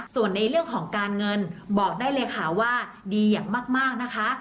ส่วนในเรื่องของการเงินบอกได้เลยค่ะว่าดีอย่างมากนะคะ